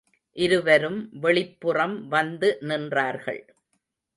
இருவரும் வெளிப்புறம் வந்து நின்றார்கள்.